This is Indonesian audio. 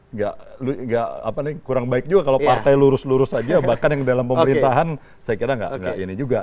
nggak kurang baik juga kalau partai lurus lurus aja bahkan yang dalam pemerintahan saya kira nggak ini juga